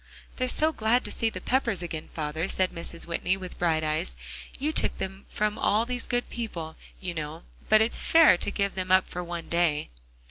"They're so glad to see the Peppers again, father," said Mrs. Whitney with bright eyes. "You took them away from all these good people, you know; it's but fair to give them up for one day."